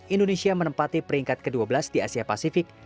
indonesia menempati peringkat ke dua belas di asia pasifik